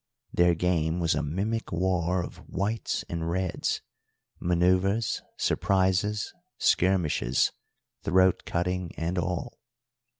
Their game was a mimic war of Whites and Reds, manoeuvres, surprises, skirmishes, throat cutting, and all.